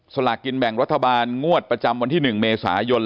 สลากกินแบ่งรัฐบาลงวดประจำวันที่๑เมษายน